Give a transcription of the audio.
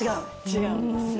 違うんですよ。